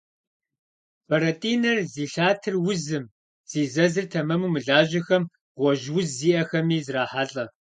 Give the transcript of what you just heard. Бэрэтӏинэр зи лъатэр узым, зи зэзыр тэмэму мылажьэхэм, гъуэжь уз зиӏэхэми зрахьэлӏэ.